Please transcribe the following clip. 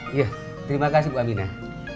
iya terima kasih bu aminah